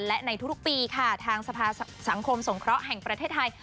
และในทุกปีค่ะทางสภาสังคมสงเคราะห์แห่งประเทศไทย